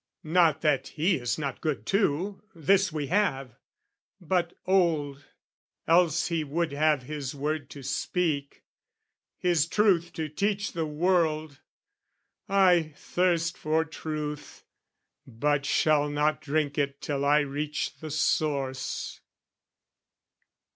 Not that he is not good too, this we have But old, else he would have his word to speak, His truth to teach the world: I thirst for truth, But shall not drink it till I reach the source.